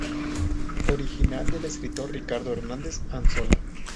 Original del escritor Ricardo Hernández Anzola.